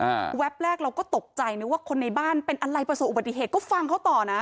แวบแรกเราก็ตกใจนึกว่าคนในบ้านเป็นอะไรประสบอุบัติเหตุก็ฟังเขาต่อนะ